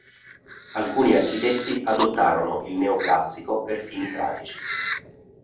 Alcuni architetti adottarono il neoclassico per fini pratici.